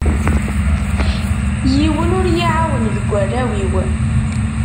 Yiwen ur i yi-ɛawen deg waraw-iw.